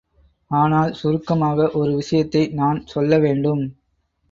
ஆனால் சுருக்கமாக ஒரு விஷயத்தை நான் சொல்லவேண்டும்.